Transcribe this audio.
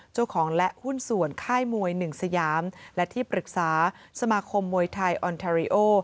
เจ้าของและหุ้นส่วนค่ายมวยหนึ่งสยามและที่ปรึกษาสมาคมมวยไทยออนทาริโอ